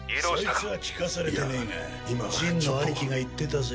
いつは聞かされてねぇがジンの兄貴が言ってたぜ。